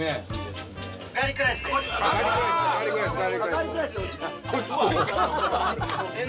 ガーリックライスです。